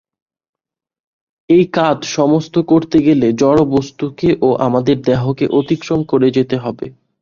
এই কাজ সম্পন্ন করতে গেলে জড় বস্তুকে ও আমাদের দেহকে অতিক্রম করে যেতে হবে।